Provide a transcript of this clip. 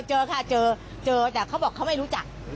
เจอค่ะเจอเจอแต่เขาบอกเขาไม่รู้จัก